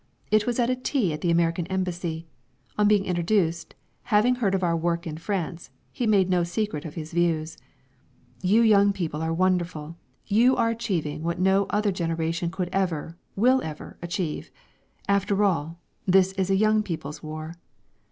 It was at a tea at the American Embassy. On being introduced, having heard of our work in France, he made no secret of his views. "You young people are wonderful. You are achieving what no other generation could ever, will ever, achieve! After all, this is a young people's war!"